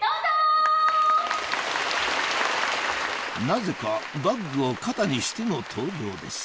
なぜかバッグを肩にしての登場です